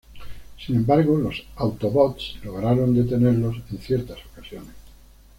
Sin embargo los Autobots lograron detenerlos en ciertas ocasiones.